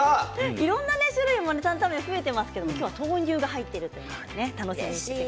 いろんな種類担々麺、増えていますけど今日は豆乳が入っているということです。